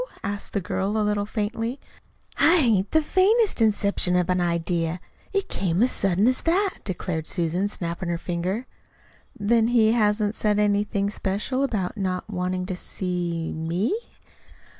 asked the girl a little faintly. "I hain't the faintest inception of an idea. It came as sudden as that," declared Susan, snapping her finger. "Then he hasn't said anything special about not wanting to see me?"